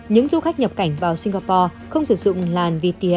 những du khách nhập cảnh vào singapore không sử dụng nguy cơ bằng nguy cơ bằng